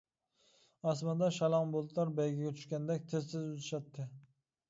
ئاسماندا شالاڭ بۇلۇتلار بەيگىگە چۈشكەندەك تىز-تىز ئۈزۈشەتتى.